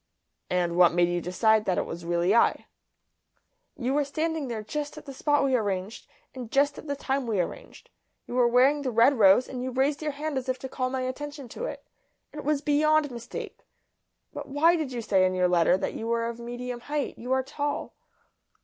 "And what made you decide that it was really I?" "You were standing there just at the spot we arranged, and just at the time we arranged. You were wearing the red rose, and you raised your hand as if to call my attention to it. It was beyond mistake. But why did you say in your letter that you were of medium height? You are tall."